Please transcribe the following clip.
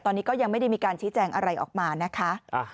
ตอนนี้ก็ยังไม่ได้มีการชี้แจงอะไรออกมานะคะ